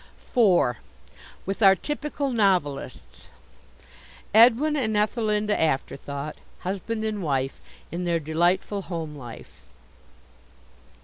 IV. WITH OUR TYPICAL NOVELISTS Edwin and Ethelinda Afterthought Husband and Wife In their Delightful Home Life.